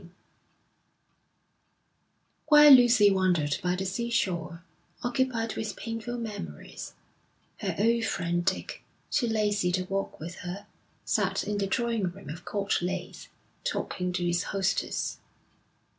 II While Lucy wandered by the seashore, occupied with painful memories, her old friend Dick, too lazy to walk with her, sat in the drawing room of Court Leys, talking to his hostess.